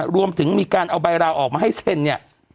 ลองพระท่านสภาคุกแก้ว